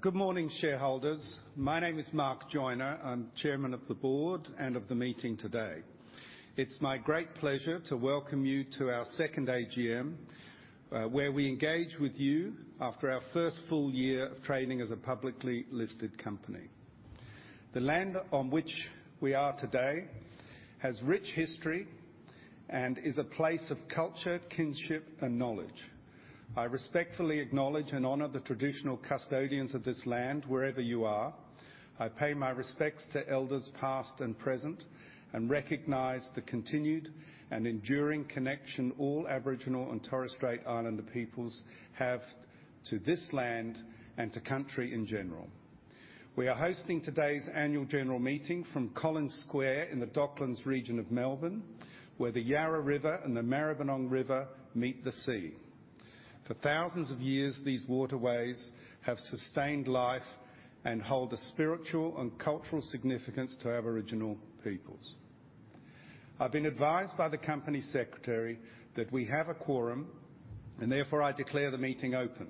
Good morning, shareholders. My name is Mark Joiner. I'm Chairman of the Board and of the meeting today. It's my great pleasure to welcome you to our second AGM where we engage with you after our first full year of trading as a publicly listed company. The land on which we are today has rich history and is a place of culture, kinship, and knowledge. I respectfully acknowledge and honor the traditional custodians of this land, wherever you are. I pay my respects to elders past and present, and recognize the continued and enduring connection all Aboriginal and Torres Strait Islander peoples have to this land and to country in general. We are hosting today's annual general meeting from Collins Square in the Docklands region of Melbourne, where the Yarra River and the Maribyrnong River meet the sea. For thousands of years, these waterways have sustained life and hold a spiritual and cultural significance to Aboriginal peoples. I've been advised by the Company Secretary that we have a quorum, and therefore, I declare the meeting open.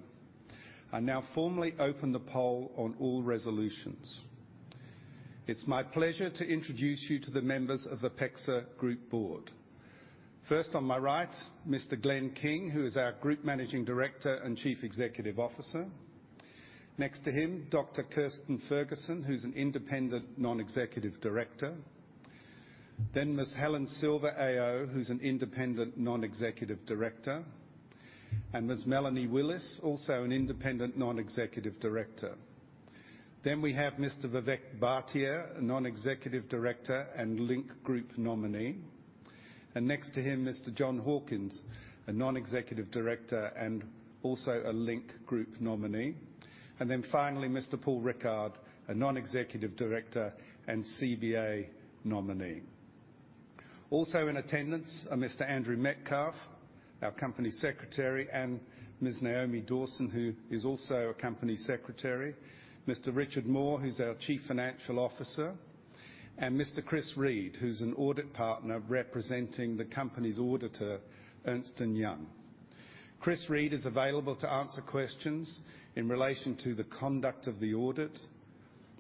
I now formally open the poll on all resolutions. It's my pleasure to introduce you to the members of the PEXA Group Board. First, on my right, Mr. Glenn King, who is our Group Managing Director and Chief Executive Officer. Next to him, Dr. Kirstin Ferguson, who's an Independent Non-Executive Director. Ms. Helen Silver AO, who's an Independent Non-Executive Director, and Ms. Melanie Willis, also an Independent Non-Executive Director. We have Mr. Vivek Bhatia, a Non-Executive Director and Link Group nominee. Next to him, Mr. John Hawkins, a Non-Executive Director and also a Link Group nominee. Finally, Mr. Paul Rickard, a Non-Executive Director and CBA nominee. Also in attendance are Mr. Andrew Metcalfe, our Company Secretary, and Ms. Naomi Dawson, who is also a Company Secretary, Mr. Richard Moore, who's our Chief Financial Officer, and Mr. Chris Reid, who's an Audit Partner representing the company's auditor, Ernst & Young. Chris Reid is available to answer questions in relation to the conduct of the audit,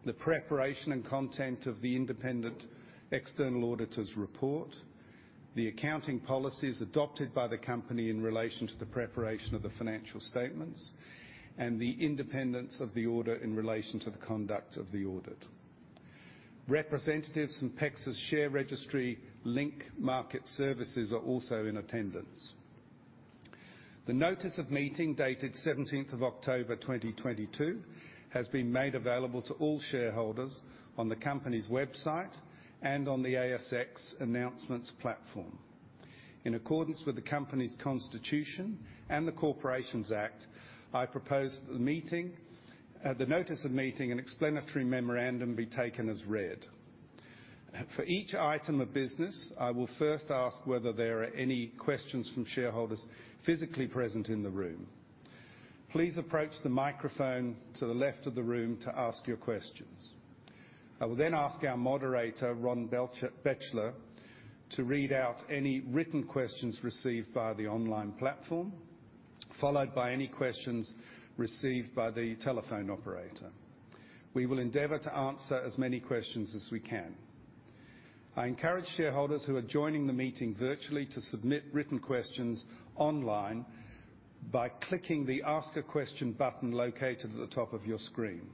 the preparation and content of the independent external Auditor's Report, the accounting policies adopted by the company in relation to the preparation of the financial statements, and the independence of the audit in relation to the conduct of the audit. Representatives from PEXA's share registry, Link Market Services, are also in attendance. The Notice of Meeting, dated 17th of October, 2022, has been made available to all shareholders on the company's website and on the ASX announcements platform. In accordance with the company's constitution and the Corporations Act, I propose the notice of meeting and explanatory memorandum be taken as read. For each item of business, I will first ask whether there are any questions from shareholders physically present in the room. Please approach the microphone to the left of the room to ask your questions. I will then ask our Moderator, Ron Bechtloff, to read out any written questions received via the online platform, followed by any questions received by the telephone operator. We will endeavor to answer as many questions as we can. I encourage shareholders who are joining the meeting virtually to submit written questions online by clicking the Ask a Question button located at the top of your screen.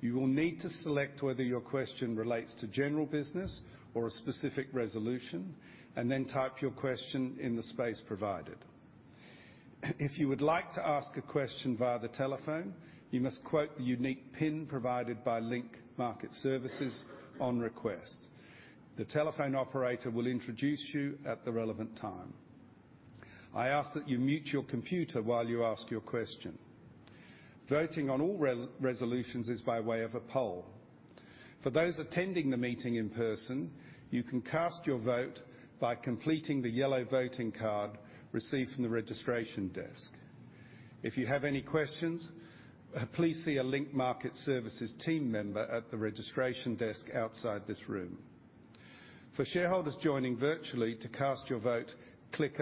You will need to select whether your question relates to general business or a specific resolution, and then type your question in the space provided. If you would like to ask a question via the telephone, you must quote the unique PIN provided by Link Market Services on request. The telephone operator will introduce you at the relevant time. I ask that you mute your computer while you ask your question. Voting on all resolutions is by way of a poll. For those attending the meeting in person, you can cast your vote by completing the yellow voting card received from the registration desk. If you have any questions, please see a Link Market Services team member at the registration desk outside this room. For shareholders joining virtually, to cast your vote, click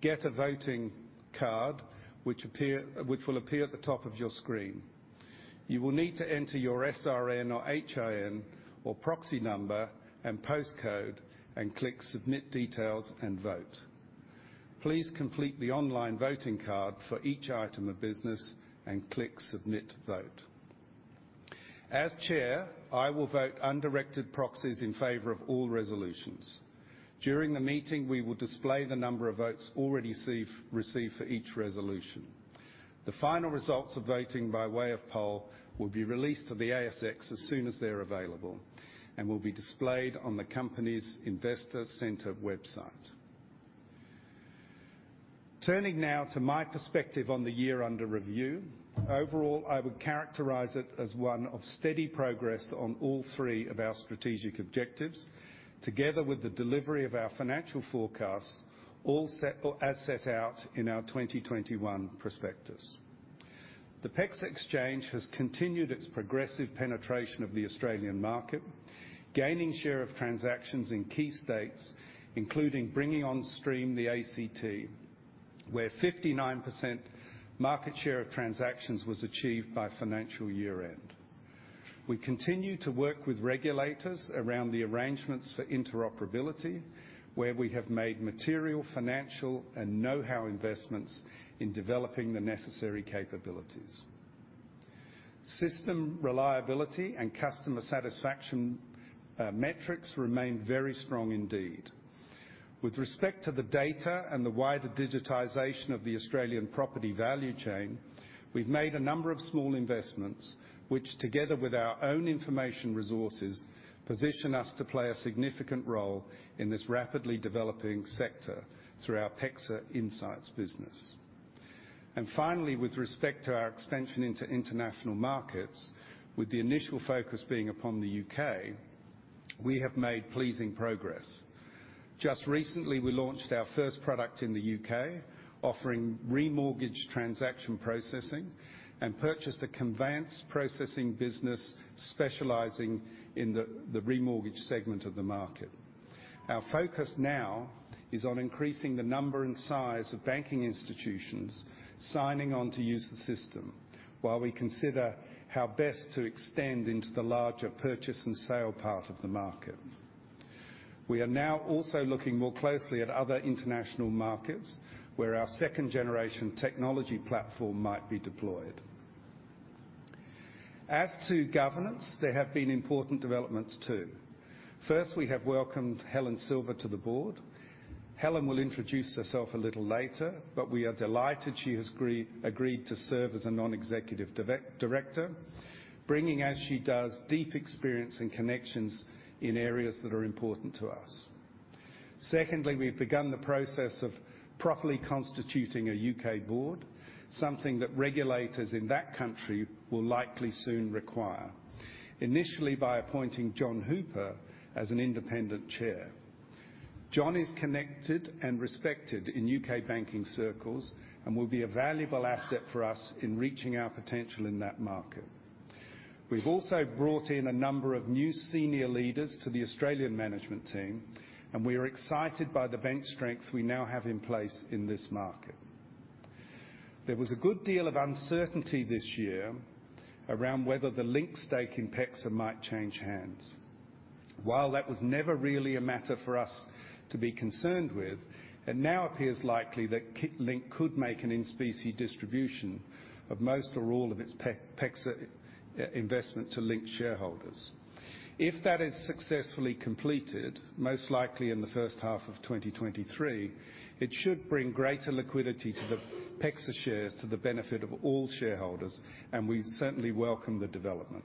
Get a Voting Card, which will appear at the top of your screen. You will need to enter your SRN or HIN or proxy number and postcode and click Submit Details and Vote. Please complete the online voting card for each item of business and click Submit Vote. As Chair, I will vote undirected proxies in favor of all resolutions. During the meeting, we will display the number of votes already received for each resolution. The final results of voting by way of poll will be released to the ASX as soon as they're available and will be displayed on the company's Investor Center website. Turning now to my perspective on the year under review. Overall, I would characterize it as one of steady progress on all three of our strategic objectives, together with the delivery of our financial forecasts, as set out in our 2021 prospectus. The PEXA Exchange has continued its progressive penetration of the Australian market, gaining share of transactions in key states, including bringing on stream the ACT, where 59% market share of transactions was achieved by financial year-end. We continue to work with regulators around the arrangements for interoperability, where we have made material, financial, and know-how investments in developing the necessary capabilities. System reliability and customer satisfaction metrics remain very strong indeed. With respect to the data and the wider digitization of the Australian property value chain, we've made a number of small investments, which together with our own information resources, position us to play a significant role in this rapidly developing sector through our PEXA Insights business. Finally, with respect to our expansion into international markets, with the initial focus being upon the U.K., we have made pleasing progress. Just recently, we launched our first product in the U.K., offering remortgage transaction processing and purchased a conveyance processing business specializing in the remortgage segment of the market. Our focus now is on increasing the number and size of banking institutions signing on to use the system while we consider how best to extend into the larger purchase and sale part of the market. We are now also looking more closely at other international markets, where our second-generation technology platform might be deployed. As to governance, there have been important developments too. First, we have welcomed Helen Silver to the board. Helen will introduce herself a little later, but we are delighted she has agreed to serve as a Non-Executive Director, bringing as she does, deep experience and connections in areas that are important to us. Secondly, we've begun the process of properly constituting a U.K. board, something that regulators in that country will likely soon require, initially by appointing John Hooper as an Independent Chair. John is connected and respected in U.K. banking circles and will be a valuable asset for us in reaching our potential in that market. We've also brought in a number of new senior leaders to the Australian management team, and we are excited by the bench strength we now have in place in this market. There was a good deal of uncertainty this year around whether the Link stake in PEXA might change hands. While that was never really a matter for us to be concerned with, it now appears likely that Link could make an in-specie distribution of most or all of its PEXA investment to Link shareholders. If that is successfully completed, most likely in the first half of 2023, it should bring greater liquidity to the PEXA shares to the benefit of all shareholders, and we certainly welcome the development.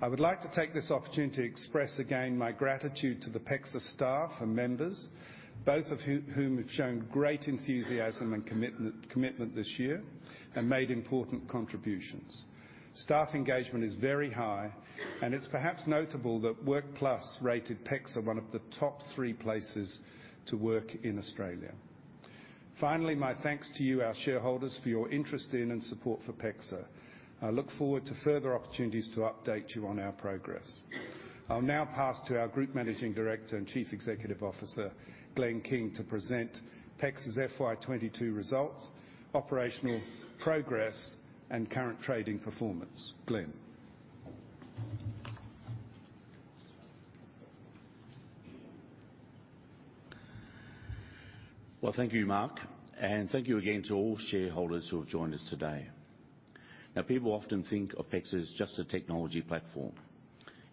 I would like to take this opportunity to express again my gratitude to the PEXA staff and members, both of whom have shown great enthusiasm and commitment this year and made important contributions. Staff engagement is very high, and it's perhaps notable that WorkPlus rated PEXA one of the top three places to work in Australia. Finally, my thanks to you, our shareholders, for your interest in and support for PEXA. I look forward to further opportunities to update you on our progress. I'll now pass to our Group Managing Director and Chief Executive Officer, Glenn King, to present PEXA's FY 2022 results, operational progress, and current trading performance. Glenn? Well, thank you, Mark, and thank you again to all shareholders who have joined us today. Now people often think of PEXA as just a technology platform.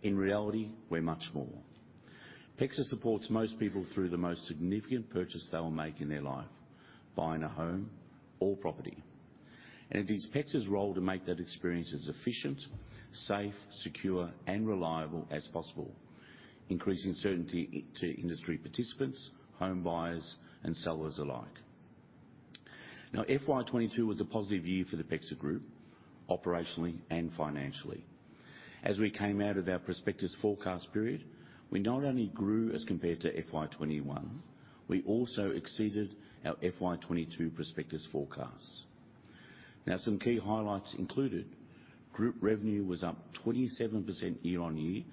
In reality, we're much more. PEXA supports most people through the most significant purchase they will make in their life, buying a home or property. It is PEXA's role to make that experience as efficient, safe, secure, and reliable as possible, increasing certainty to industry participants, home buyers, and sellers alike. Now FY 2022 was a positive year for the PEXA Group, operationally and financially. As we came out of our prospectus forecast period, we not only grew as compared to FY 2021, we also exceeded our FY 2022 prospectus forecasts. Now, some key highlights included, group revenue was up 27% year-over-year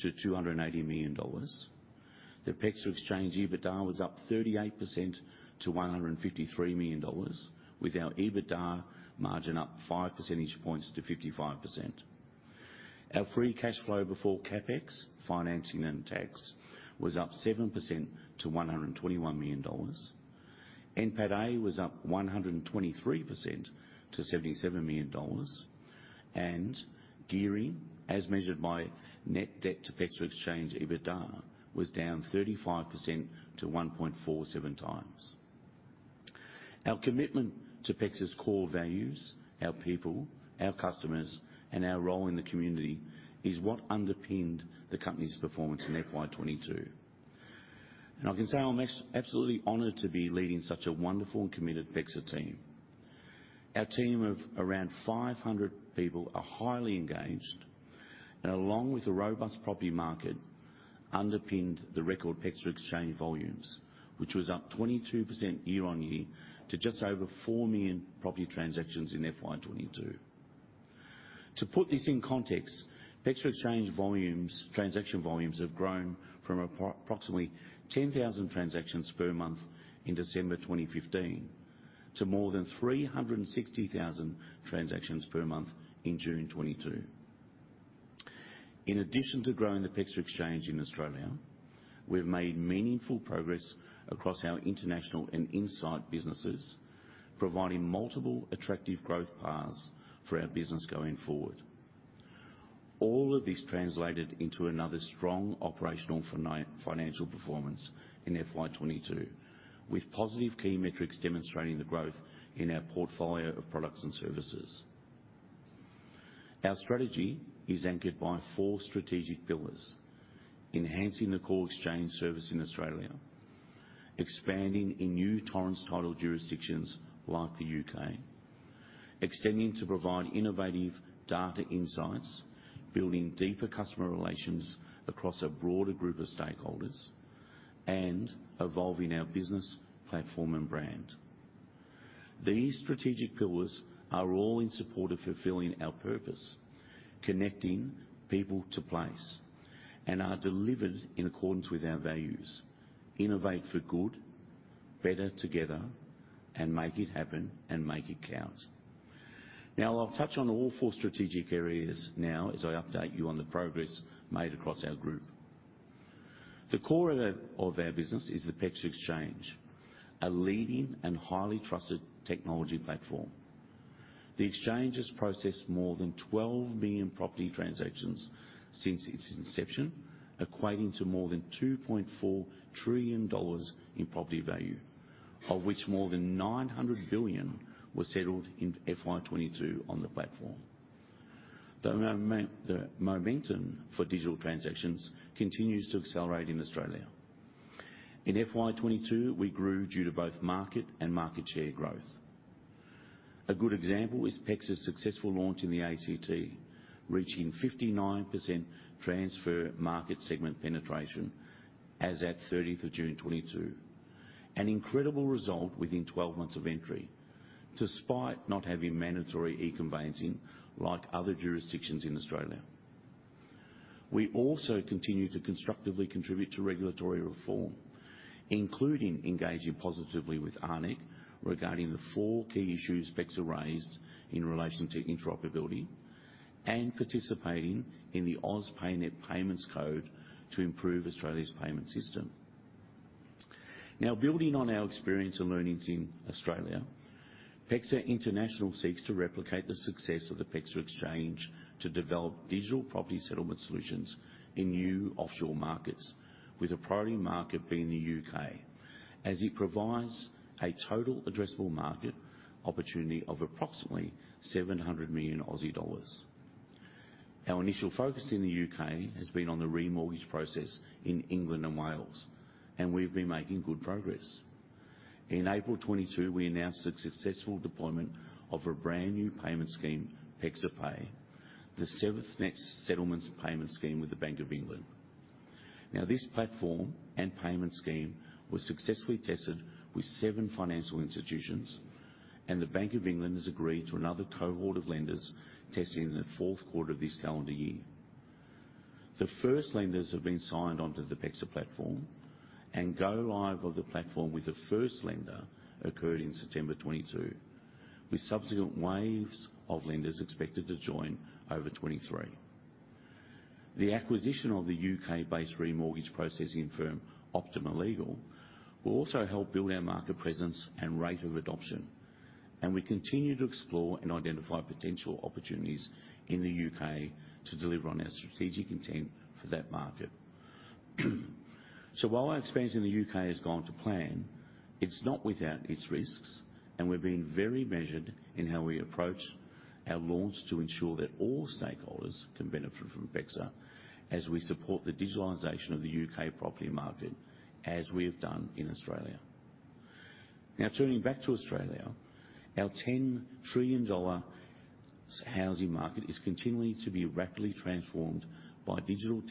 to $280 million. The PEXA Exchange EBITDA was up 38% to $153 million, with our EBITDA margin up 5 percentage points to 55%. Our free cash flow before CapEx, financing and tax was up 7% to $121 million. NPATA was up 123% to $77 million. Gearing, as measured by net debt to PEXA Exchange EBITDA, was down 35% to 1.47x. Our commitment to PEXA's core values, our people, our customers, and our role in the community is what underpinned the company's performance in FY 2022. I can say I'm absolutely honored to be leading such a wonderful and committed PEXA team. Our team of around 500 people are highly engaged, and along with a robust property market, underpinned the record PEXA Exchange volumes, which was up 22% year-on-year to just over 4 million property transactions in FY 2022. To put this in context, PEXA Exchange volumes, transaction volumes have grown from approximately 10,000 transactions per month in December 2015 to more than 360,000 transactions per month in June 2022. In addition to growing the PEXA Exchange in Australia, we've made meaningful progress across our international and Insights businesses, providing multiple attractive growth paths for our business going forward. All of this translated into another strong operational financial performance in FY 2022, with positive key metrics demonstrating the growth in our portfolio of products and services. Our strategy is anchored by four strategic pillars, enhancing the core exchange service in Australia, expanding in new Torrens title jurisdictions like the U.K., extending to provide innovative data insights, building deeper customer relations across a broader group of stakeholders, and evolving our business platform and brand. These strategic pillars are all in support of fulfilling our purpose, connecting people to place, and are delivered in accordance with our values, innovate for good, better together, and make it happen, and make it count. Now I'll touch on all four strategic areas now as I update you on the progress made across our group. The core of our business is the PEXA Exchange, a leading and highly trusted technology platform. The Exchange has processed more than 12 million property transactions since its inception, equating to more than $2.4 trillion in property value, of which more than $900 billion was settled in FY 2022 on the platform. The momentum for digital transactions continues to accelerate in Australia. In FY 2022, we grew due to both market and market share growth. A good example is PEXA's successful launch in the ACT, reaching 59% transfer market segment penetration as at 30th of June 2022. An incredible result within 12 months of entry, despite not having mandatory e-conveyancing like other jurisdictions in Australia. We also continue to constructively contribute to regulatory reform, including engaging positively with ARNECC regarding the four key issues PEXA raised in relation to interoperability, and participating in the AusPayNet Payments Code to improve Australia's payment system. Building on our experience and learnings in Australia, PEXA International seeks to replicate the success of the PEXA Exchange to develop digital property settlement solutions in new offshore markets, with a priority market being the U.K., as it provides a total addressable market opportunity of approximately 700 million Aussie dollars. Our initial focus in the U.K. has been on the remortgage process in England and Wales, and we've been making good progress. In April 2022, we announced the successful deployment of a brand-new payment scheme, PEXA Pay, the seventh net settlement payment scheme with the Bank of England. This platform and payment scheme was successfully tested with seven financial institutions, and the Bank of England has agreed to another cohort of lenders testing in the fourth quarter of this calendar year. The first lenders have been signed onto the PEXA platform. Go live of the platform with the first lender occurred in September 2022, with subsequent waves of lenders expected to join over 2023. The acquisition of the U.K.-based remortgage processing firm, Optima Legal, will also help build our market presence and rate of adoption. We continue to explore and identify potential opportunities in the U.K. to deliver on our strategic intent for that market. While our expansion in the U.K. has gone to plan, it's not without its risks. We're being very measured in how we approach our launch to ensure that all stakeholders can benefit from PEXA as we support the digitalization of the U.K. property market as we have done in Australia. Now turning back to Australia, our $10 trillion housing market is continuing to be rapidly transformed by digital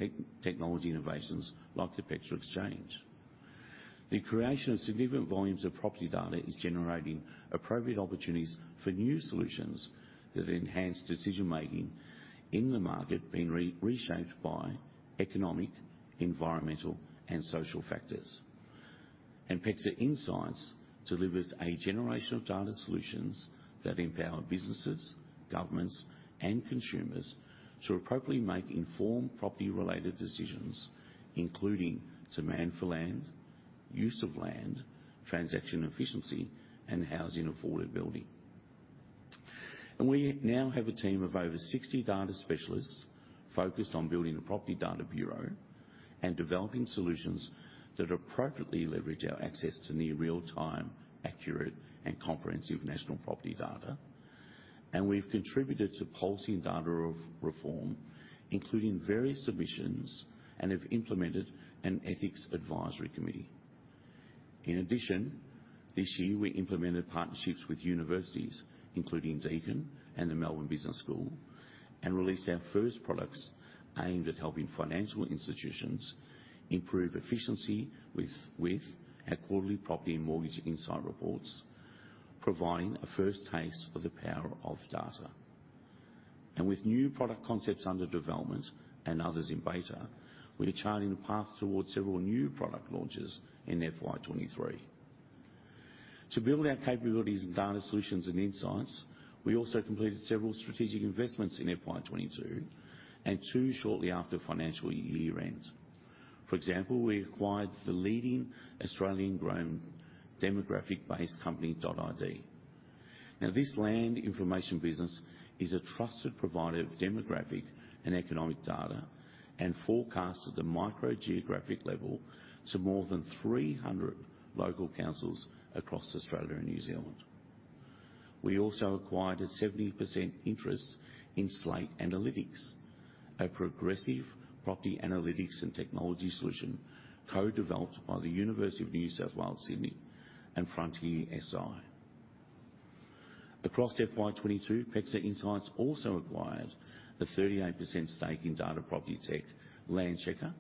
technology innovations like the PEXA Exchange. The creation of significant volumes of property data is generating appropriate opportunities for new solutions that enhance decision-making in the market being reshaped by economic, environmental, and social factors. PEXA Insights delivers a generation of data solutions that empower businesses, governments, and consumers to appropriately make informed property-related decisions, including demand for land, use of land, transaction efficiency, and housing affordability. We now have a team of over 60 data specialists focused on building a property data bureau and developing solutions that appropriately leverage our access to near real-time, accurate, and comprehensive national property data. We've contributed to policy and data of reform, including various submissions, and have implemented an ethics advisory committee. In addition, this year we implemented partnerships with universities, including Deakin and the Melbourne Business School, and released our first products aimed at helping financial institutions improve efficiency with our quarterly property and mortgage insight reports, providing a first taste of the power of data. With new product concepts under development and others in beta, we are charting a path towards several new product launches in FY 2023. To build our capabilities in data solutions and insights, we also completed several strategic investments in FY 2022, and two shortly after financial year-end. For example, we acquired the leading Australian-grown demographic base company, Dot.ID. Now, this land information business is a trusted provider of demographic and economic data, and forecasts at the micro geographic level to more than 300 local councils across Australia and New Zealand. We also acquired a 70% interest in Slate Analytics, a progressive property analytics and technology solution co-developed by the University of New South Wales Sydney and FrontierSI. Across FY 2022, PEXA Insights also acquired a 38% stake in data property tech, Landchecker,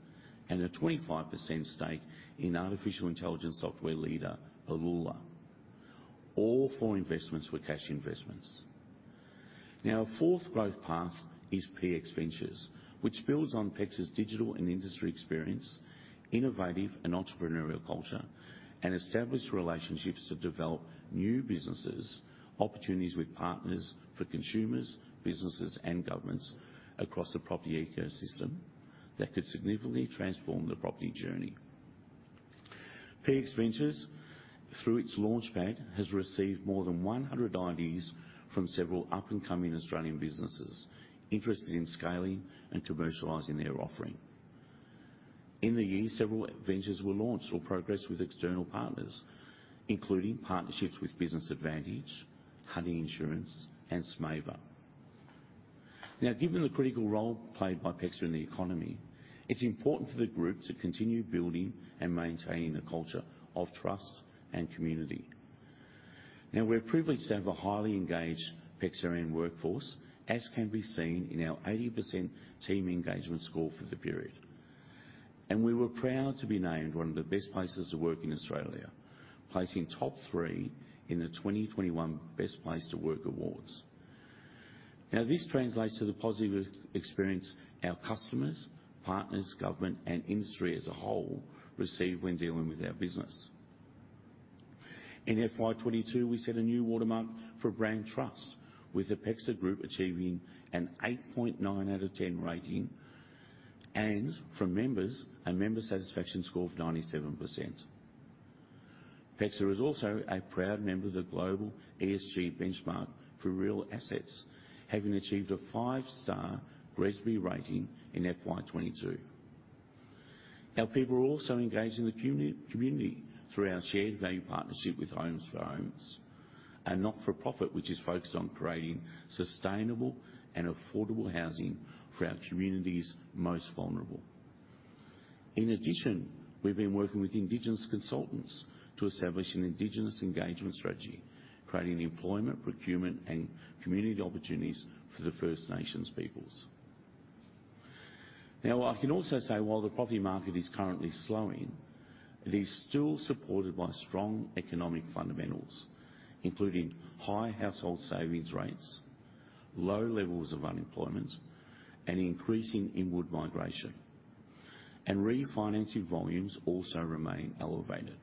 and a 25% stake in artificial intelligence software leader, Elula. All four investments were cash investments. Now, our fourth growth path is PX Ventures, which builds on PEXA's digital and industry experience, innovative and entrepreneurial culture, and established relationships to develop new businesses, opportunities with partners, for consumers, businesses, and governments across the property ecosystem that could significantly transform the property journey. PX Ventures, through its launchpad, has received more than 100 ideas from several up-and-coming Australian businesses interested in scaling and commercializing their offering. In the year, several ventures were launched or progressed with external partners, including partnerships with Business Advantage, Honey Insurance, and Smaver. Now, given the critical role played by PEXA in the economy, it's important for the group to continue building and maintaining a culture of trust and community. Now, we're privileged to have a highly engaged PEXARian workforce, as can be seen in our eighty percent team engagement score for the period. And we were proud to be named one of the best places to work in Australia, placing top three in the twenty-twenty one Best Place to Work awards. Now, this translates to the positive ex-experience our customers, partners, government, and industry as a whole receive when dealing with our business. In FY 2022, we set a new watermark for brand trust, with the PEXA Group achieving an 8.9 out of 10 rating, and from members, a member satisfaction score of 97%. PEXA is also a proud member of the global ESG Benchmark for Real Assets, having achieved a five-star GRESB rating in FY2022. Our people are also engaged in the community through our shared value partnership with Homes for Homes, a not-for-profit which is focused on creating sustainable and affordable housing for our community's most vulnerable. In addition, we've been working with Indigenous consultants to establish an Indigenous engagement strategy, creating employment, procurement, and community opportunities for the First Nations peoples. Now, I can also say, while the property market is currently slowing, it is still supported by strong economic fundamentals, including high household savings rates, low levels of unemployment, and increasing inward migration. Refinancing volumes also remain elevated.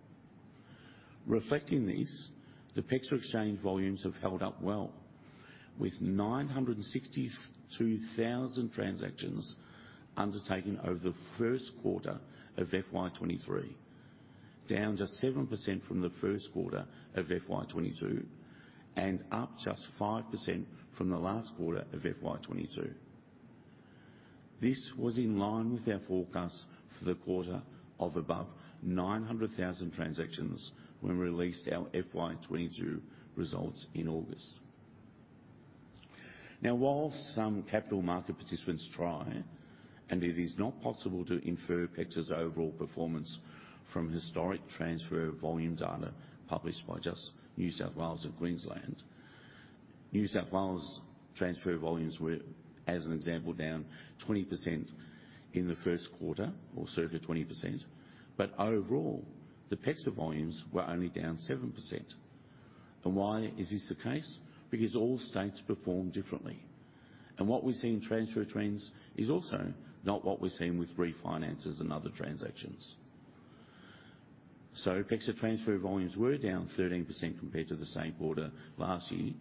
Reflecting this, the PEXA Exchange volumes have held up well, with 962,000 transactions undertaken over the first quarter of FY 2023, down just 7% from the first quarter of FY 2022, and up just 5% from the last quarter of FY 2022. This was in line with our forecast for the quarter of above 900,000 transactions when we released our FY 2022 results in August. Now, while some capital market participants try, and it is not possible to infer PEXA's overall performance from historic transfer volume data published by just New South Wales and Queensland. New South Wales transfer volumes were, as an example, down 20% in the first quarter, or circa 20%. Overall, the PEXA volumes were only down 7%. Why is this the case? Because all states perform differently, and what we see in transfer trends is also not what we're seeing with refinances and other transactions. PEXA transfer volumes were down 13% compared to the same quarter last year,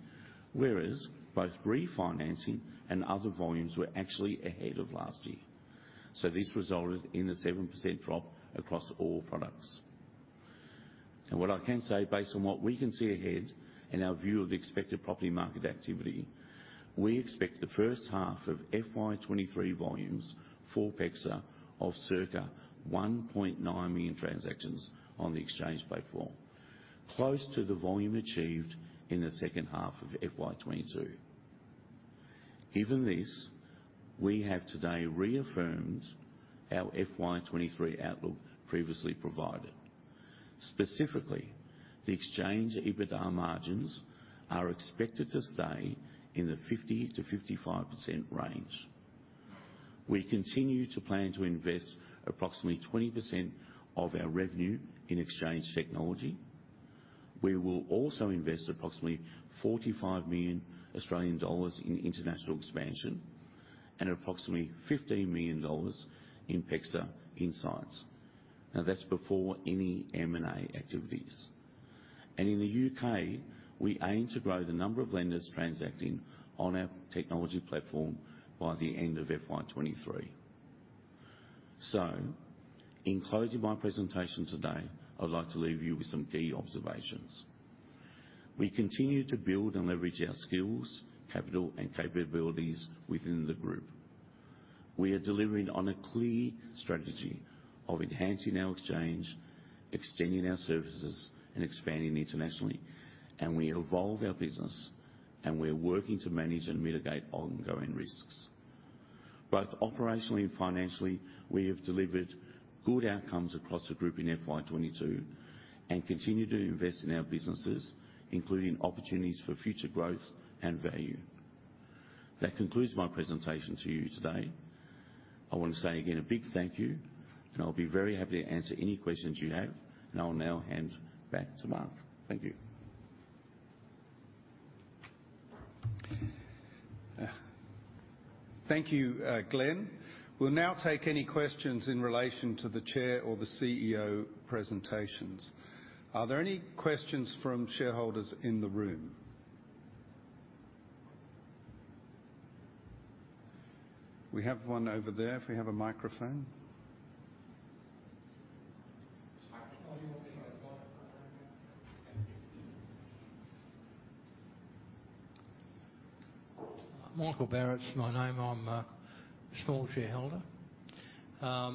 whereas both refinancing and other volumes were actually ahead of last year. This resulted in a 7% drop across all products. What I can say based on what we can see ahead in our view of the expected property market activity, we expect the first half of FY 2023 volumes for PEXA of circa 1.9 million transactions on the exchange platform, close to the volume achieved in the second half of FY 2022. Given this, we have today reaffirmed our FY 2023 outlook previously provided. Specifically, the exchange EBITDA margins are expected to stay in the 50%-55% range. We continue to plan to invest approximately 20% of our revenue in exchange technology. We will also invest approximately 45 million Australian dollars in international expansion and approximately $15 million in PEXA Insights. Now, that's before any M&A activities. In the U.K., we aim to grow the number of lenders transacting on our technology platform by the end of FY 2023. In closing my presentation today, I'd like to leave you with some key observations. We continue to build and leverage our skills, capital, and capabilities within the group. We are delivering on a clear strategy of enhancing our exchange, extending our services, and expanding internationally. We evolve our business, and we're working to manage and mitigate ongoing risks. Both operationally and financially, we have delivered good outcomes across the Group in FY 2022 and continue to invest in our businesses, including opportunities for future growth and value. That concludes my presentation to you today. I wanna say again, a big thank you, and I'll be very happy to answer any questions you have. I'll now hand back to Mark. Thank you. Thank you, Glenn. We'll now take any questions in relation to the Chair or the CEO presentations. Are there any questions from shareholders in the room? We have one over there, if we have a microphone. Michael Barrett's my name. I'm a small shareholder. I've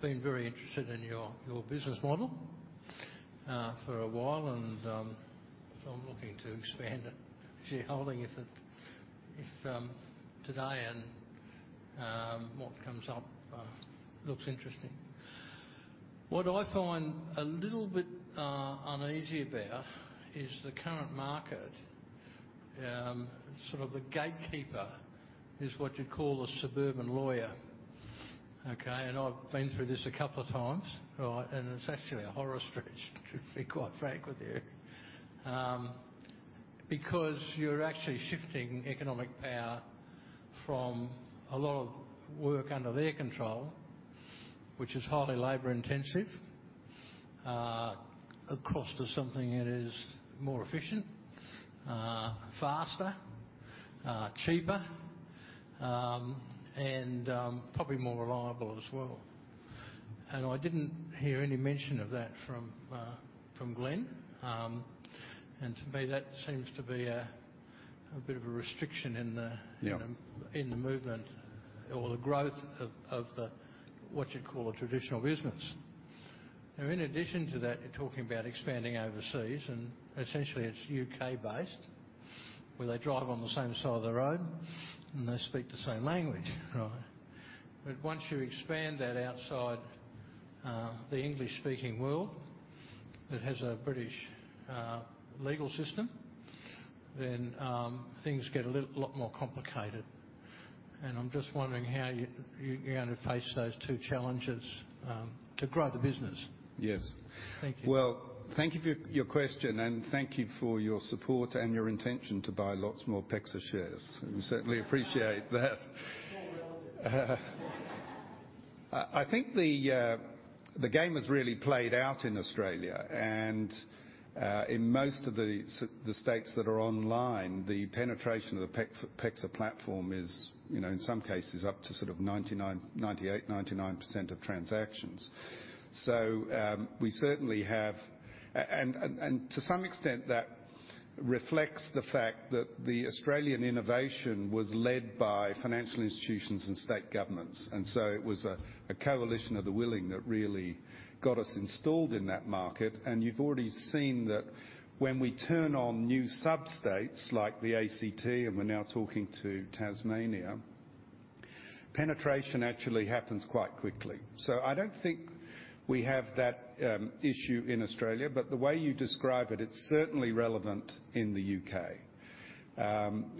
been very interested in your business model for a while. I'm looking to expand the shareholding if today and what comes up looks interesting. What I find a little bit uneasy about is the current market. Sort of the gatekeeper is what you call a suburban lawyer. Okay? I've been through this a couple of times, all right, and it's actually a horror stretch, to be quite frank with you. Because you're actually shifting economic power from a lot of work under their control, which is highly labor intensive, across to something that is more efficient, faster, cheaper, and probably more reliable as well. I didn't hear any mention of that from Glenn. To me, that seems to be a bit of a restriction. Yeah... in the movement or the growth of the, what you'd call a traditional business. Now, in addition to that, you're talking about expanding overseas and essentially it's U.K.-based, where they drive on the same side of the road and they speak the same language, right? But once you expand that outside, uh, the English-speaking world that has a British, uh, legal system, then, um, things get a little lot more complicated. And I'm just wondering how you're gonna face those two challenges, um, to grow the business. Yes. Thank you. Well, thank you for your question, and thank you for your support and your intention to buy lots more PEXA shares. We certainly appreciate that. I think the game is really played out in Australia and in most of the states that are online, the penetration of the PEXA platform is, you know, in some cases up to sort of 98%, 99% of transactions. To some extent that reflects the fact that the Australian innovation was led by financial institutions and state governments. It was a coalition of the willing that really got us installed in that market. You've already seen that when we turn on new substates like the ACT, and we're now talking to Tasmania, penetration actually happens quite quickly. I don't think we have that issue in Australia, but the way you describe it's certainly relevant in the U.K.,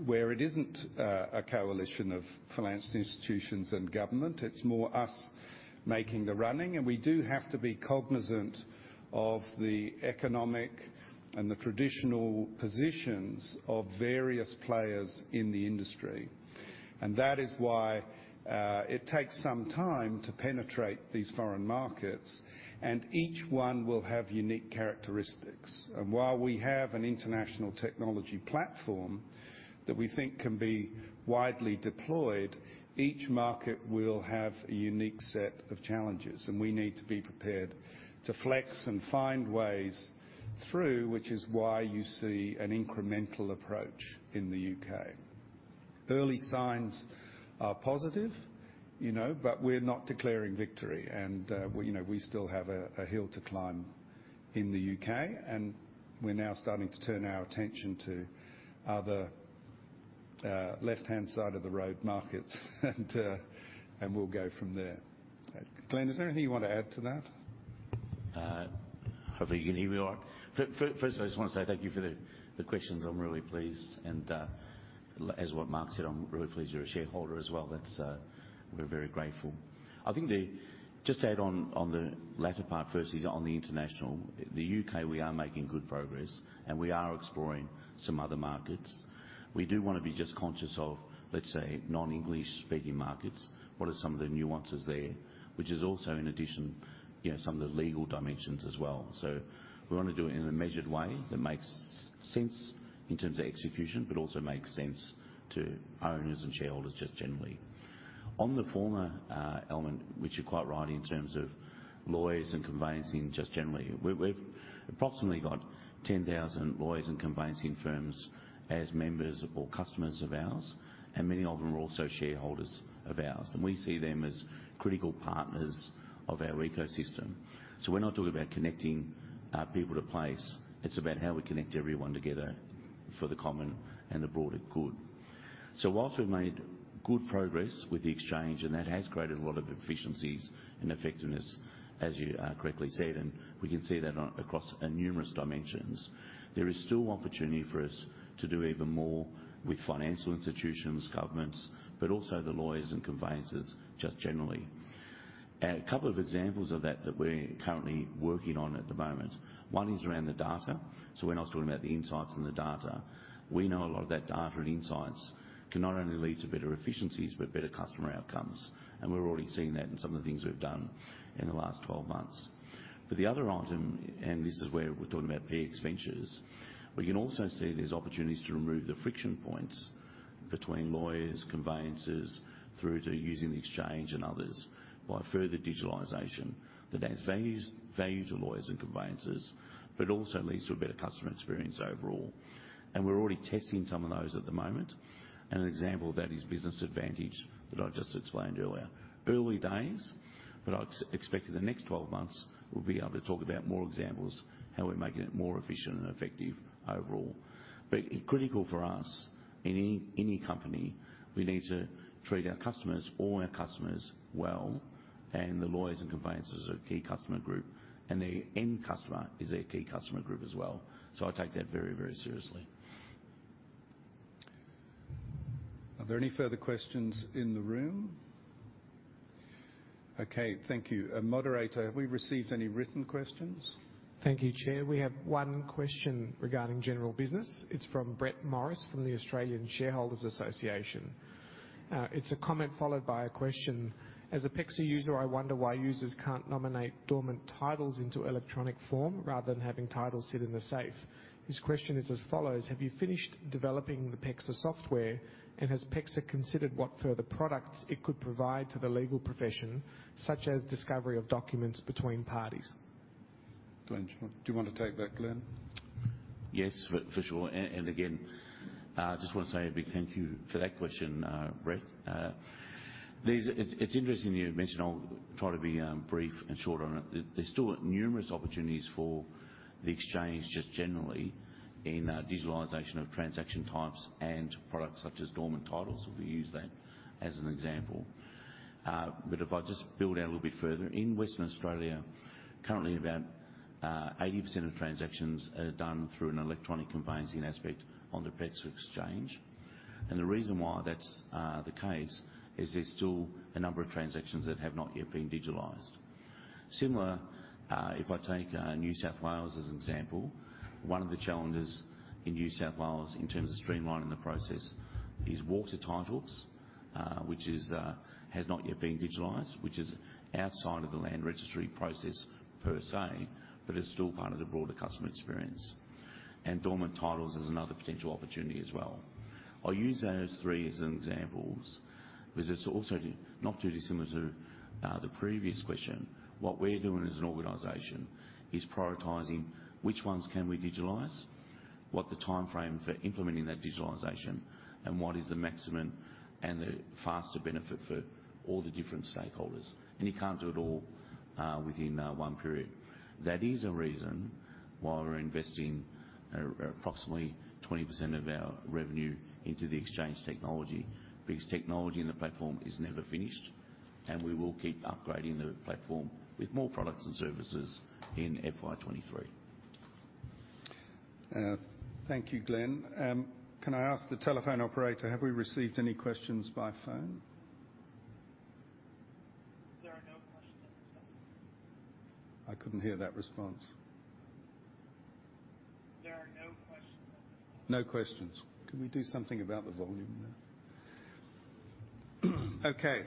where it isn't a coalition of financial institutions and government. It's more us making the running, and we do have to be cognizant of the economic and the traditional positions of various players in the industry. That is why it takes some time to penetrate these foreign markets, and each one will have unique characteristics. While we have an international technology platform that we think can be widely deployed, each market will have a unique set of challenges, and we need to be prepared to flex and find ways through, which is why you see an incremental approach in the U.K. Early signs are positive, you know, but we're not declaring victory. You know, we still have a hill to climb in the U.K., and we're now starting to turn our attention to other left-hand side of the road markets, and we'll go from there. Glenn, is there anything you want to add to that? Hopefully you can hear me all right. Firstly, I just wanna say thank you for the questions. I'm really pleased. As what Mark said, I'm really pleased you're a shareholder as well. We're very grateful. Just to add on, the latter part first is on the international. The U.K., we are making good progress, and we are exploring some other markets. We do wanna be just conscious of, let's say, non-English speaking markets, what are some of the nuances there, which is also in addition, you know, some of the legal dimensions as well. We wanna do it in a measured way that makes sense in terms of execution, but also makes sense to owners and shareholders just generally. On the former element, which you're quite right in terms of lawyers and conveyancing just generally. We've approximately got 10,000 lawyers and conveyancing firms as members or customers of ours, and many of them are also shareholders of ours. We see them as critical partners of our ecosystem. We're not talking about connecting people to place. It's about how we connect everyone together for the common and the broader good. Whilst we've made good progress with the exchange, and that has created a lot of efficiencies and effectiveness, as you correctly said, and we can see that across numerous dimensions. There is still opportunity for us to do even more with financial institutions, governments, but also the lawyers and conveyancers just generally. A couple of examples of that that we're currently working on at the moment. One is around the data. When I was talking about the insights and the data. We know a lot of that data and insights can not only lead to better efficiencies, but better customer outcomes. We're already seeing that in some of the things we've done in the last 12 months. The other item, and this is where we're talking about PX Ventures, we can also see there's opportunities to remove the friction points between lawyers, conveyancers, through to using the exchange and others by further digitalization that adds value to lawyers and conveyancers, but also leads to a better customer experience overall. We're already testing some of those at the moment. An example of that is Business Advantage that I just explained earlier. Early days, but I expect in the next 12 months, we'll be able to talk about more examples, how we're making it more efficient and effective overall. Critical for us in any company, we need to treat our customers well, and the lawyers and conveyancers are a key customer group, and the end customer is a key customer group as well. I take that very seriously. Are there any further questions in the room? Okay, thank you. Moderator, have we received any written questions? Thank you, Chair. We have one question regarding general business. It's from Brett Morris from the Australian Shareholders' Association. It's a comment followed by a question. As a PEXA user, I wonder why users can't nominate dormant titles into electronic form rather than having titles sit in the safe. His question is as follows. Have you finished developing the PEXA software? Has PEXA considered what further products it could provide to the legal profession, such as discovery of documents between parties? Do you want to take that, Glenn? Yes, for sure. Again, I just wanna say a big thank you for that question, Brett. It's interesting you mentioned. I'll try to be brief and short on it. There's still numerous opportunities for the Exchange just generally in digitalization of transaction types and products such as dormant titles, if we use that as an example. If I just build out a little bit further. In Western Australia, currently about 80% of transactions are done through an electronic conveyancing aspect on the PEXA Exchange. The reason why that's the case is there's still a number of transactions that have not yet been digitalized. Similar, if I take New South Wales as an example. One of the challenges in New South Wales in terms of streamlining the process is water titles, which has not yet been digitalized, which is outside of the land registry process per se, but it's still part of the broader customer experience. Dormant titles is another potential opportunity as well. I'll use those three as examples because it's also not too dissimilar to the previous question. What we're doing as an organization is prioritizing which ones can we digitalize, what the timeframe for implementing that digitalization, and what is the maximum and the faster benefit for all the different stakeholders. You can't do it all within one period. That is a reason why we're investing approximately 20% of our revenue into the Exchange technology, because technology in the platform is never finished, and we will keep upgrading the platform with more products and services in FY 2023. Thank you, Glenn. Can I ask the telephone operator, have we received any questions by phone? There are no questions. I couldn't hear that response. There are no questions. No questions. Can we do something about the volume there? Okay.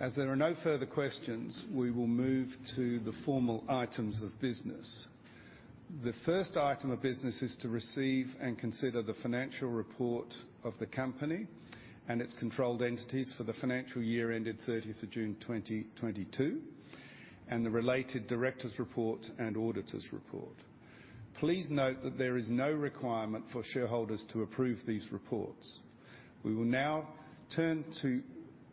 As there are no further questions, we will move to the formal items of business. The first item of business is to receive and consider the Financial Report of the company and its controlled entities for the financial year ended 30th of June 2022, and the related Directors' Report and Auditors' Report. Please note that there is no requirement for shareholders to approve these reports. We will now turn to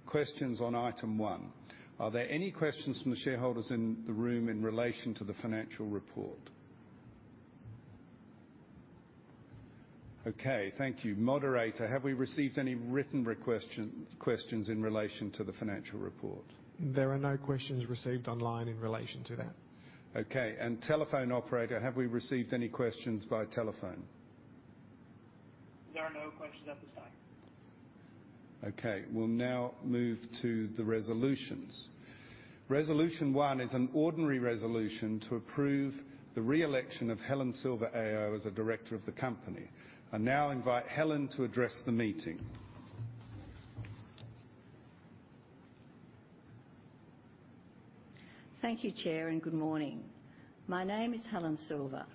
questions on Item 1. Are there any questions from the shareholders in the room in relation to the Financial Report? Okay, thank you. Moderator, have we received any written questions in relation to the Financial Report? There are no questions received online in relation to that. Okay, and Telephone Operator, have we received any questions via telephone? There are no questions at this time. Okay. We'll now move to the resolutions. Resolution 1 is an ordinary resolution to approve the re-election of Helen Silver AO as a Director of the Company. I now invite Helen to address the meeting. Thank you, Chair, and good morning. My name is Helen Silver.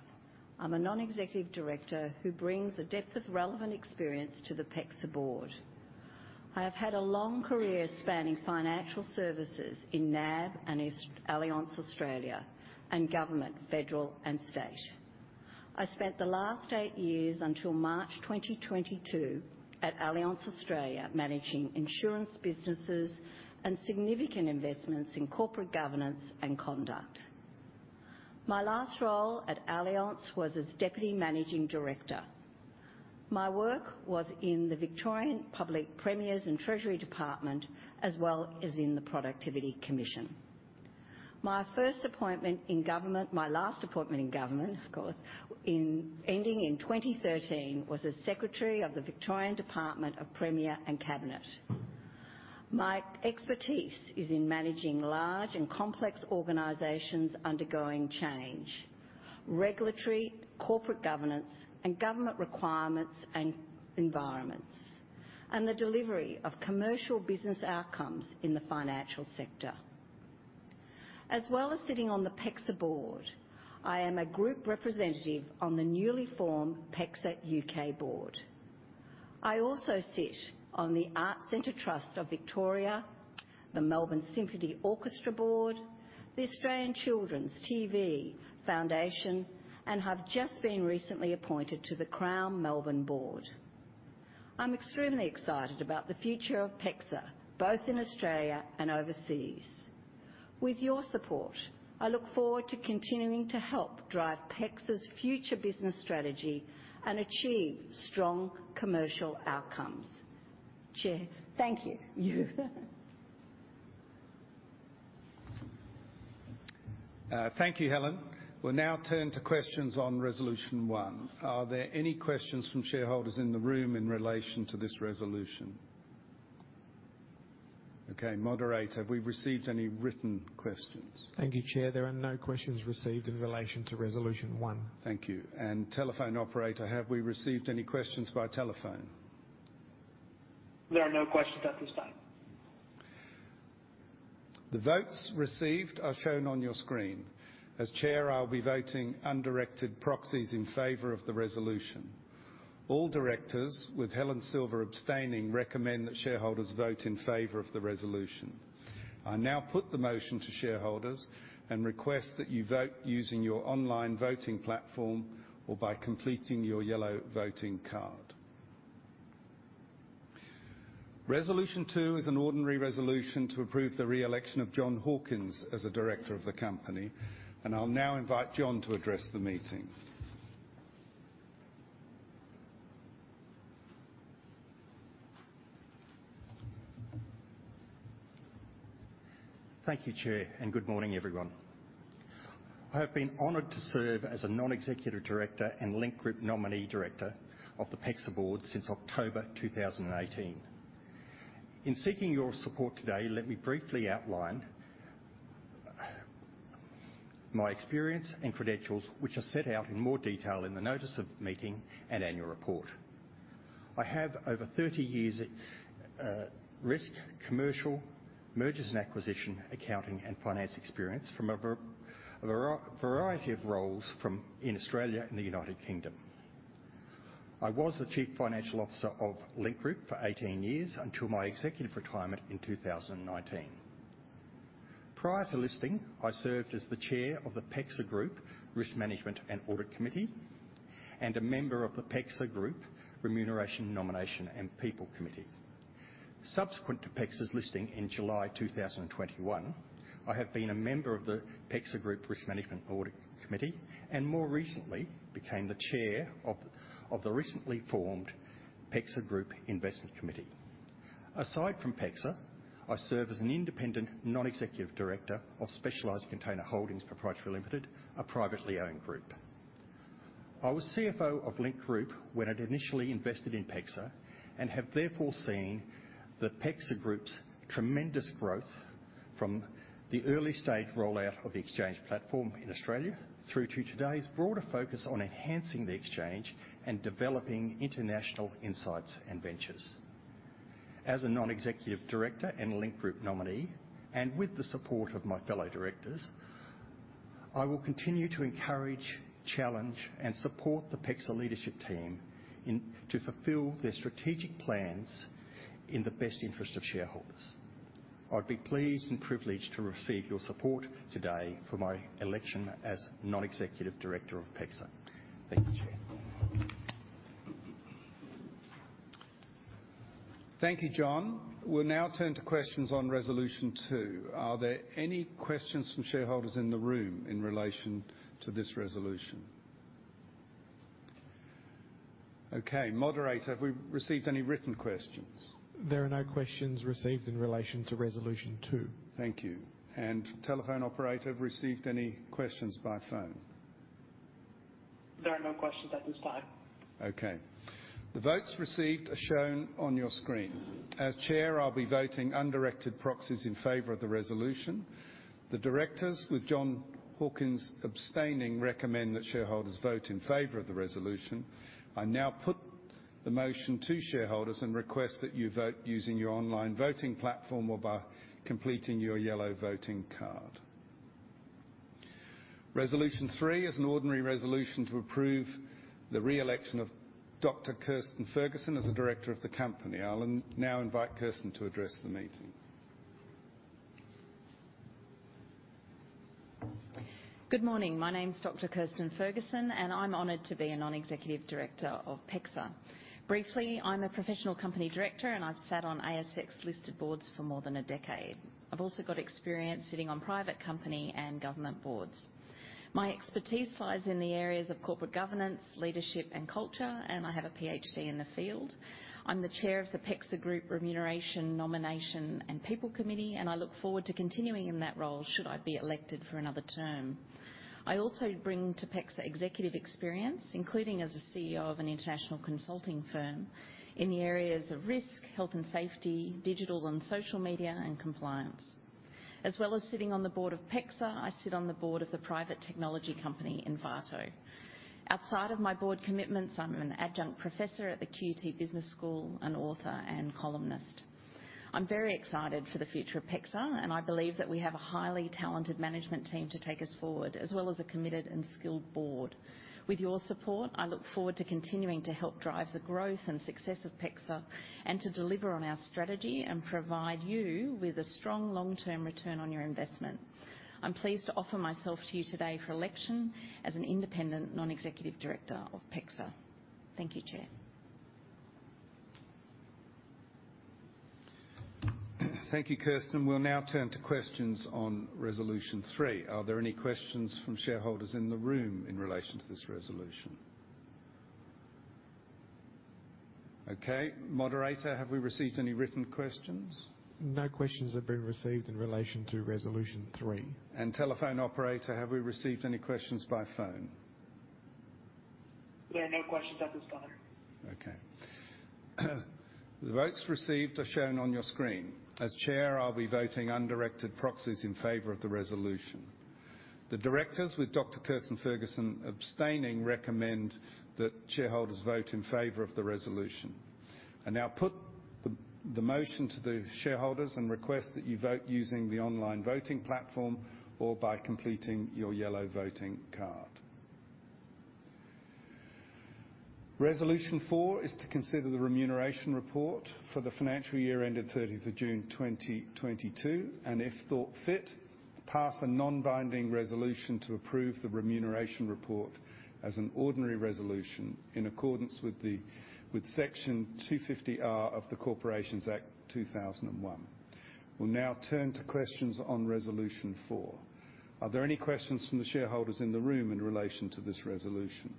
I'm a Non-Executive Director who brings a depth of relevant experience to the PEXA Board. I have had a long career spanning financial services in NAB and East Allianz Australia and government, federal and state. I spent the last eight years until March 2022 at Allianz Australia, managing insurance businesses and significant investments in corporate governance and conduct. My last role at Allianz was as Deputy Managing Director. My work was in the Victorian Public Premiers and Treasury Department, as well as in the Productivity Commission. My last appointment in government, of course, ending in 2013, was as Secretary of the Victorian Department of Premier and Cabinet. My expertise is in managing large and complex organizations undergoing change, regulatory, corporate governance and government requirements and environments, and the delivery of commercial business outcomes in the financial sector. As well as sitting on the PEXA board, I am a group representative on the newly formed PEXA UK board. I also sit on the Arts Centre Trust of Victoria, the Melbourne Symphony Orchestra board, the Australian Children's T.V. Foundation, and have just been recently appointed to the Crown Melbourne board. I'm extremely excited about the future of PEXA, both in Australia and overseas. With your support, I look forward to continuing to help drive PEXA's future business strategy and achieve strong commercial outcomes. Chair, thank you. Thank you, Helen. We'll now turn to questions on resolution one. Are there any questions from shareholders in the room in relation to this resolution? Okay. Moderator, have we received any written questions? Thank you, Chair. There are no questions received in relation to Resolution 1. Thank you. Telephone operator, have we received any questions via telephone? There are no questions at this time. The votes received are shown on your screen. As Chair, I'll be voting undirected proxies in favor of the resolution. All directors, with Helen Silver abstaining, recommend that shareholders vote in favor of the resolution. I now put the motion to shareholders and request that you vote using your online voting platform or by completing your yellow voting card. Resolution 2 is an ordinary resolution to approve the re-election of John Hawkins as a director of the company, and I'll now invite John to address the meeting. Thank you, Chair, and good morning, everyone. I have been honored to serve as a Non-Executive Director and Link Group Nominee Director of the PEXA Board since October 2018. In seeking your support today, let me briefly outline my experience and credentials, which are set out in more detail in the Notice of Meeting and Annual Report. I have over 30 years risk, commercial, mergers and acquisition, accounting and finance experience from a variety of roles in Australia and the United Kingdom. I was the Chief Financial Officer of Link Group for 18 years until my executive retirement in 2019. Prior to listing, I served as the Chair of the PEXA Group Audit and Risk Committee and a member of the PEXA Group Remuneration, Nomination and People Committee. Subsequent to PEXA's listing in July 2021, I have been a member of the PEXA Group Risk Management Audit Committee and more recently became the chair of the recently formed PEXA Group Investment Committee. Aside from PEXA, I serve as an independent non-executive director of Specialised Container Holdings Proprietary Limited, a privately owned group. I was CFO of Link Group when it initially invested in PEXA and have therefore seen the PEXA Group's tremendous growth from the early stage rollout of the exchange platform in Australia through to today's broader focus on enhancing the exchange and developing international insights and ventures. As a Non-executive director and Link Group nominee and with the support of my fellow directors, I will continue to encourage, challenge, and support the PEXA leadership team in- to fulfill their strategic plans in the best interest of shareholders. I'd be pleased and privileged to receive your support today for my election as Non-Executive Director of PEXA. Thank you, Chair. Thank you, John. We'll now turn to questions on Resolution 2. Are there any questions from shareholders in the room in relation to this resolution? Okay. Moderator, have we received any written questions? There are no questions received in relation to Resolution 2. Thank you. Telephone operator, have received any questions by phone? There are no questions at this time. Okay. The votes received are shown on your screen. As Chair, I'll be voting undirected proxies in favor of the resolution. The directors, with John Hawkins abstaining, recommend that shareholders vote in favor of the resolution. I now put the motion to shareholders and request that you vote using your online voting platform or by completing your yellow voting card. Resolution 3 is an ordinary resolution to approve the re-election of Dr. Kirstin Ferguson as a director of the company. I'll now invite Kirstin to address the meeting. Good morning. My name is Dr. Kirstin Ferguson, and I'm honored to be a Non-Executive Director of PEXA. Briefly, I'm a professional company director, and I've sat on ASX-listed boards for more than a decade. I've also got experience sitting on private company and government boards. My expertise lies in the areas of corporate governance, leadership, and culture, and I have a PhD in the field. I'm the Chair of the PEXA Group Remuneration, Nomination, and People Committee, and I look forward to continuing in that role should I be elected for another term. I also bring to PEXA executive experience, including as a CEO of an international consulting firm in the areas of risk, health and safety, digital and social media, and compliance. As well as sitting on the board of PEXA, I sit on the board of the private technology company, Invato. Outside of my board commitments, I'm an adjunct professor at the QUT Business School, an author, and columnist. I'm very excited for the future of PEXA, and I believe that we have a highly talented management team to take us forward, as well as a committed and skilled board. With your support, I look forward to continuing to help drive the growth and success of PEXA, and to deliver on our strategy, and provide you with a strong long-term return on your investment. I'm pleased to offer myself to you today for election as an Independent Non-Executive Director of PEXA. Thank you, Chair. Thank you, Kirstin. We'll now turn to questions on Resolution 3. Are there any questions from shareholders in the room in relation to this resolution? Okay. Moderator, have we received any written questions? No questions have been received in relation to Resolution 3. Telephone Operator, have we received any questions by phone? There are no questions at this time. Okay. The votes received are shown on your screen. As Chair, I'll be voting undirected proxies in favor of the resolution. The Directors, with Dr. Kirstin Ferguson abstaining, recommend that shareholders vote in favor of the resolution. I now put the motion to the shareholders and request that you vote using the online voting platform or by completing your yellow voting card. Resolution 4 is to consider the remuneration report for the financial year ended 30th of June 2022, and if thought fit, pass a non-binding resolution to approve the remuneration report as an ordinary resolution in accordance with Section 250R of the Corporations Act 2001. We'll now turn to questions on Resolution 4. Are there any questions from the shareholders in the room in relation to this resolution?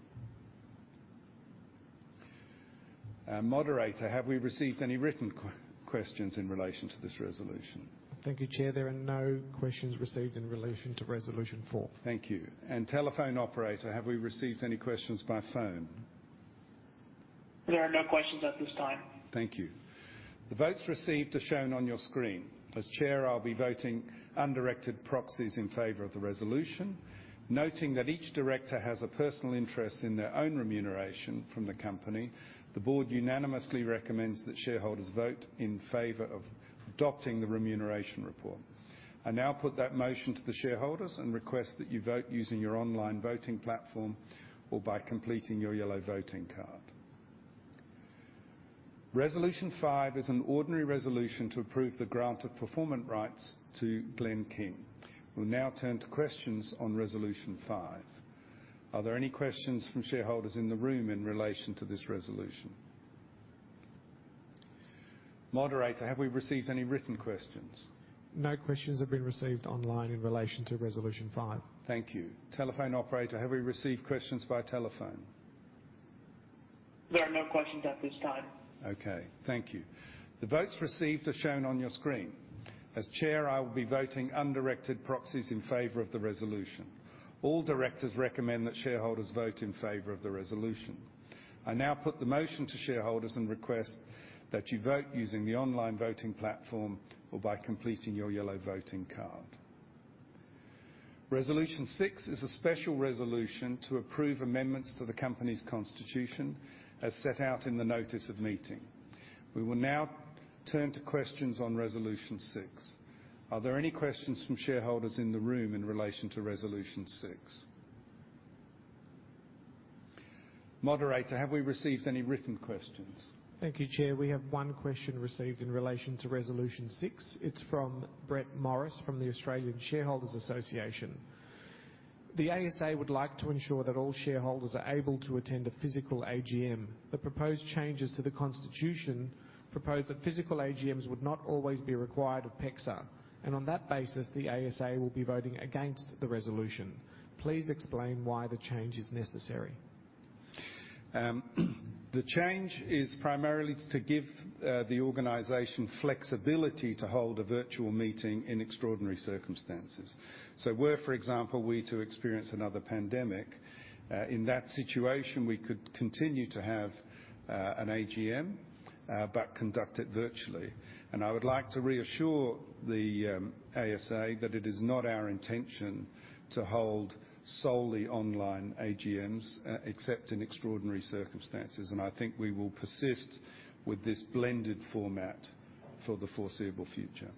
Our Moderator, have we received any written questions in relation to this resolution? Thank you, Chair. There are no questions received in relation to Resolution 4. Thank you. Telephone operator, have we received any questions by phone? There are no questions at this time. Thank you. The votes received are shown on your screen. As Chair, I'll be voting undirected proxies in favor of the resolution. Noting that each director has a personal interest in their own remuneration from the company, the Board unanimously recommends that shareholders vote in favor of adopting the remuneration report. I now put that motion to the shareholders and request that you vote using your online voting platform or by completing your yellow voting card. Resolution 5 is an ordinary resolution to approve the grant of performance rights to Glenn King. We'll now turn to questions on Resolution 5. Are there any questions from shareholders in the room in relation to this resolution? Moderator, have we received any written questions? No questions have been received online in relation to Resolution 5. Thank you. Telephone Operator, have we received questions via telephone? There are no questions at this time. Okay. Thank you. The votes received are shown on your screen. As chair, I will be voting undirected proxies in favor of the resolution. All directors recommend that shareholders vote in favor of the resolution. I now put the motion to shareholders and request that you vote using the online voting platform or by completing your yellow voting card. Resolution 6 is a special resolution to approve amendments to the company's constitution as set out in the notice of meeting. We will now turn to questions on Resolution 6. Are there any questions from shareholders in the room in relation to Resolution 6? Moderator, have we received any written questions? Thank you, Chair. We have one question received in relation to Resolution 6. It's from Brett Morris from the Australian Shareholders' Association. The ASA would like to ensure that all shareholders are able to attend a physical AGM. The proposed changes to the Constitution propose that physical AGMs would not always be required of PEXA. On that basis, the ASA will be voting against the resolution. Please explain why the change is necessary. The change is primarily to give the organization flexibility to hold a virtual meeting in extraordinary circumstances. Where, for example, were to experience another pandemic, in that situation, we could continue to have an AGM but conduct it virtually. I would like to reassure the ASA that it is not our intention to hold solely online AGMs, except in extraordinary circumstances. I think we will persist with this blended format for the foreseeable future.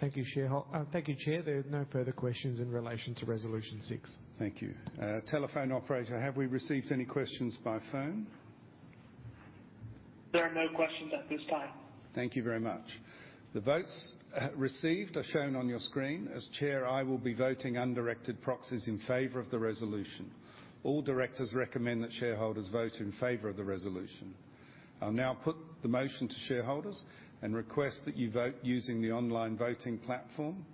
Thank you, Chair. There are no further questions in relation to Resolution 6. Thank you. Telephone operator, have we received any questions by phone? There are no questions at this time. Thank you very much. The votes received are shown on your screen. As Chair, I will be voting undirected proxies in favor of the resolution. All directors recommend that shareholders vote in favor of the resolution. I'll now put the motion to shareholders and request that you vote using the online voting platform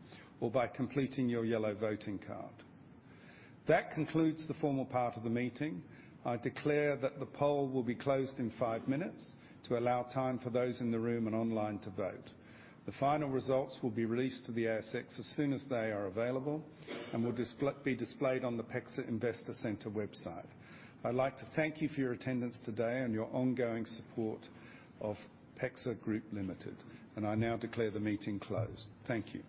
or by completing your yellow voting card. That concludes the formal part of the meeting. I declare that the poll will be closed in five minutes to allow time for those in the room and online to vote. The final results will be released to the ASX as soon as they are available and will be displayed on the PEXA Investor Centre website. I'd like to thank you for your attendance today and your ongoing support of PEXA Group Limited, and I now declare the meeting closed. Thank you.